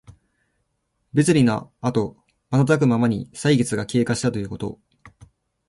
別離のあとまたたくまに歳月が経過したということ。